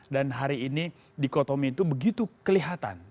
dan hari ini di kotomi itu begitu kelihatan